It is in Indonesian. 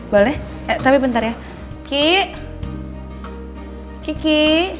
boleh eh tapi bentar ya ki kiki